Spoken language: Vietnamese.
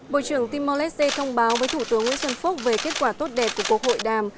bộ trưởng timor leste thông báo với thủ tướng nguyễn xuân phúc về kết quả tốt đẹp của cuộc hội đàm